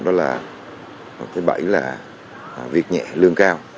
đó là việc nhẹ lương cao